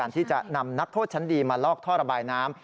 ที่จะนำนักโทษชั้นดีมาลอกท่อระบายน้ำ